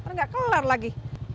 nggak kelar lagi